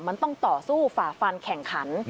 มันต้องต่อสู้ฝ่าฟันแข่งขัน